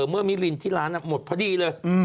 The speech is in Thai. เมื่อมิลินที่ร้านหมดพอดีเลย